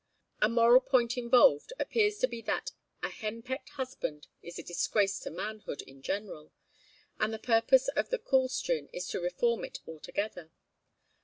A moral point involved appears to be that a henpecked husband is a disgrace to manhood in general; and the purpose of the coolstrin is to reform it altogether.